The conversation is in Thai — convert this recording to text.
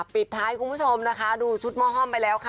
ปิดท้ายคุณผู้ชมนะคะดูชุดหม้อห้อมไปแล้วค่ะ